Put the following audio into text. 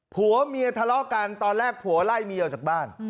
ผัวเมียทะเลาะกันตอนแรกผัวไล่เมียออกจากบ้าน